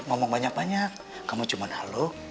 kamu ga panggil karyanya udah yang enerjanya